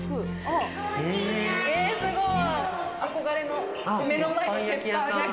え、すごい！